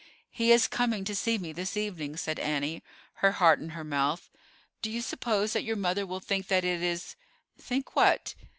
"He is coming to see me this evening," said Annie, her heart in her mouth. "Do you suppose that your mother will think that it is——" "Think what?"